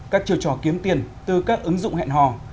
các chiều trò kiếm tiền từ các ứng dụng hẹn hò